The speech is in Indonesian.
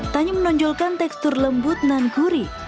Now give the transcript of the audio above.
tanya menonjolkan tekstur lembut dan gurih